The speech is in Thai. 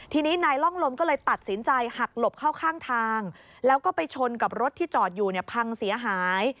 ทีนี้นายร่องลมก็เลยตัดสินใจหักหลบเข้าข้างทางแล้วก็ไปชนกับรถที่จอดอยู่เนี่ยพังเสียหาย